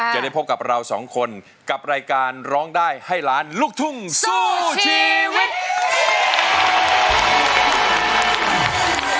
จะได้พบกับเราสองคนกับรายการร้องได้ให้ล้านลูกทุ่งสู้ชีวิต